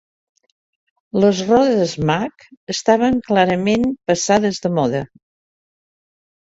Les rodes Mag estaven clarament passades de moda.